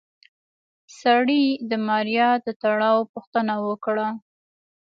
سړي د ماريا د تړاو پوښتنه وکړه.